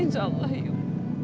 insya allah yung